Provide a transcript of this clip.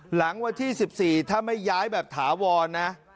หลังวันที่๑๔ถ้าไม่ย้ายแบบถาวรนะ